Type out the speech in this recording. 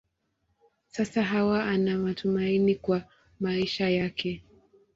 Sasa Hawa ana matumaini kwa maisha yake.